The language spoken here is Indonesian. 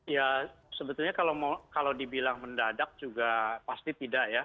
ya sebetulnya kalau dibilang mendadak juga pasti tidak ya